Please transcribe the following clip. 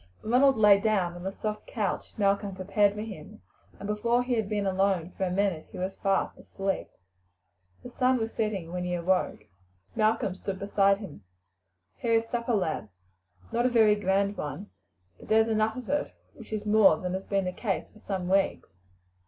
Ronald lay down on the soft couch Malcolm prepared for him, and before he had been alone for a minute he was fast asleep. The sun was setting when he awoke. Malcolm stood beside him. "Here is supper, lad. Not a very grand one, but there's enough of it, which is more than has been the case for some weeks."